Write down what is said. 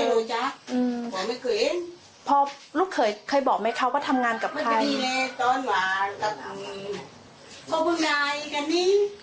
ไม่ได้รู้จักอืมไม่เคยเคยบอกไหมเขาก็ทำงานกับใครไม่ได้เลยตอนว่ากับพ่อพุ่งดายกันนี่